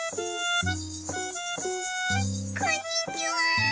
こんにちは！